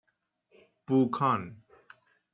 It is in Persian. بوکان